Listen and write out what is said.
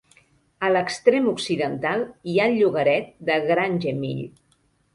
A l'extrem occidental hi ha el llogaret de Grangemill.